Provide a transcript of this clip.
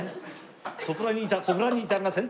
ソプラニータソプラニータが先頭であります。